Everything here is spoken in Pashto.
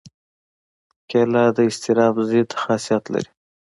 کېله د اضطراب ضد خاصیت لري.